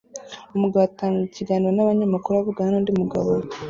Umugabo atanga ikiganiro nabanyamakuru avugana nundi mugabo